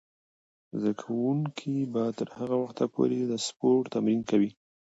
زده کوونکې به تر هغه وخته پورې د سپورت تمرین کوي.